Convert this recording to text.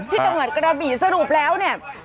ที่เกิดกระบีสรุปแล้วเนี่ย